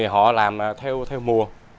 họ làm theo mùa